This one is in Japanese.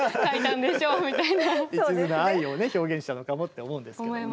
いちずな愛をね表現したのかもって思うんですけどね。